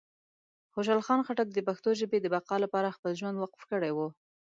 خوشحال خان خټک د پښتو ژبې د بقا لپاره خپل ژوند وقف کړی و.